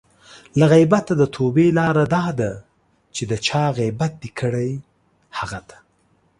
له غیبته د توبې لاره دا ده چې د چا غیبت دې کړی؛ هغه ته